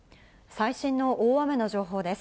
最新の大雨の情報です。